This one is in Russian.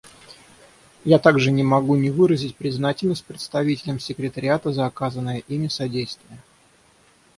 Я также не могу не выразить признательность представителям Секретариата за оказанное ими содействие.